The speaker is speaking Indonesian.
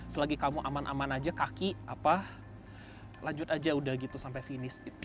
selagi kamu aman aman aja kaki apa lanjut aja udah gitu sampai finish